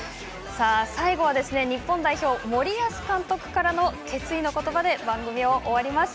最後は、日本代表森保監督からの決意の言葉で番組を終わります。